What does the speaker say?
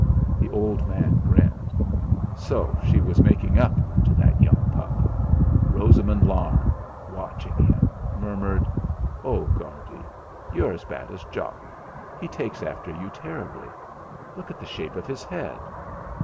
The old man grinned. So she was making up to that young pup! Rosamund Larne, watching him, murmured: "Oh! Guardy, you're as bad as Jock. He takes after you terribly. Look at the shape of his head.